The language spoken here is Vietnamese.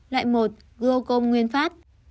loại một gô côm nguyên phát